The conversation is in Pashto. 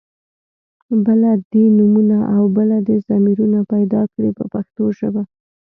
بله دې نومونه او بله دې ضمیرونه پیدا کړي په پښتو ژبه.